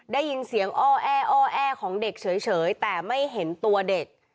ได้ยินเสียงอ้อแอ้อแอของเด็กเฉยแต่ไม่เห็นตัวเด็ก